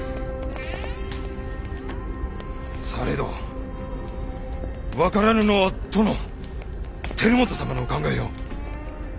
されど分からぬのは殿輝元様のお考えよ。